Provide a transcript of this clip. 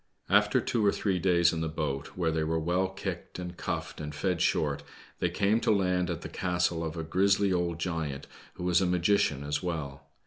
After two or three days in the boat where they were well kicked and cuffed and fed short, they came to land at the castle "hf a grisly old giant, who was a magician as well.